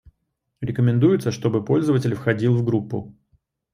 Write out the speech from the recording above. Рекомендуется чтобы пользователь входил в группу